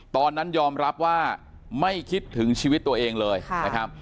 ตอนนั้นยอมรับว่าไม่คิดถึงชีวิตตัวเองเลยนะครับ